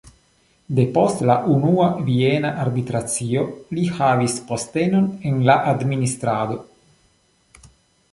Depost la Unua Viena Arbitracio li havis postenon en la administrado.